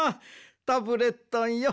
タブレットンよ